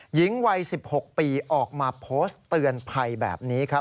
หญิงวัย๑๖ปีออกมาโพสต์เตือนภัยแบบนี้ครับ